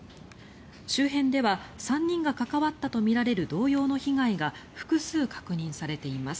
周辺では３人が関わったとみられる同様の被害が複数確認されています。